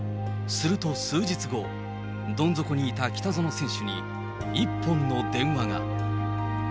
すると数日後、どん底にいた北園選手に、一本の電話が。